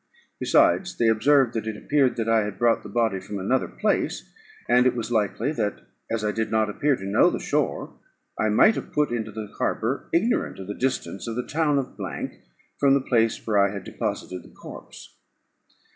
Besides, they observed that it appeared that I had brought the body from another place, and it was likely, that as I did not appear to know the shore, I might have put into the harbour ignorant of the distance of the town of from the place where I had deposited the corpse.